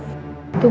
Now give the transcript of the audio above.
tunggu dong ya